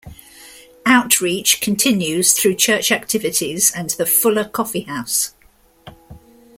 Outreach continues through church activities and the Fuller Coffee House.